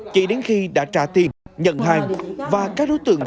chỉ đến khi đã trả tiền nhận hàng